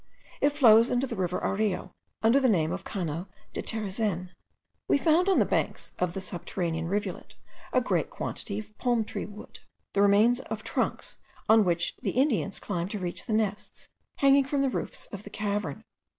It flows into the river Areo under the name of Cano do Terezen. We found on the banks of the subterranean rivulet a great quantity of palm tree wood, the remains of trunks, on which the Indians climb to reach the nests hanging from the roofs of the cavern.